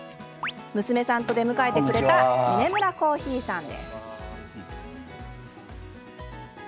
娘さんと出迎えてくれたミネムラコーヒーさん。